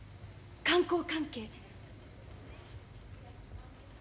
観光関係。